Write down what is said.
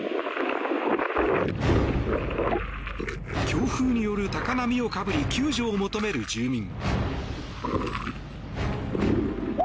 強風による高波をかぶり救助を求める住民。